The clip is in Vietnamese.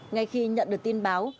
ngay khi nhận được tin báo